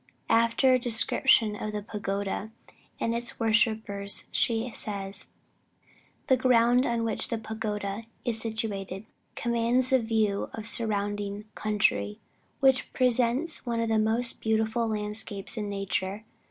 After a description of the pagoda and its worshippers, she says: "The ground on which the pagoda is situated, commands a view of the surrounding country, which presents one of the most beautiful landscapes in nature.